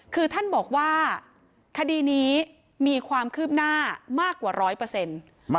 คือท่านบอกว่าคดีนี้มีความคืบหน้ามากกว่า๑๐๐